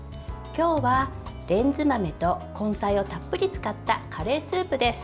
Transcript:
今日は、レンズ豆と根菜をたっぷり使ったカレースープです。